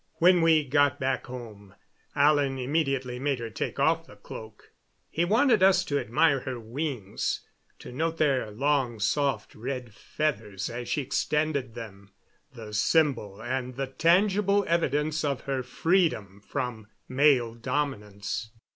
When we got back home Alan immediately made her take off the cloak. He wanted us to admire her wings to note their long, soft red feathers as she extended them, the symbol and the tangible evidence of her freedom from male dominance.